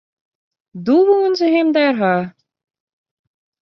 Doe woenen se him dêr ha.